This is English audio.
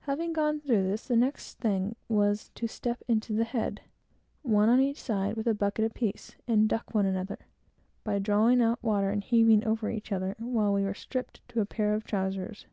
Having gone through this, the next thing was to get into the head, one on each side with a bucket apiece, and duck one another, by drawing up water and heaving over each other, while we were stripped to a pair of trowsers.